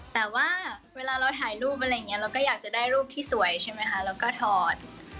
แต่ว่าเวลาเราถ่ายรูปอะไรอย่างนี้เราก็อยากจะได้รูปที่สวยใช่ไหมคะแล้วก็ถอด